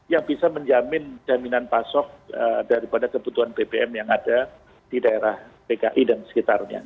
yang bisa menjamin jaminan pasok daripada kebutuhan bbm yang ada di daerah dki dan sekitarnya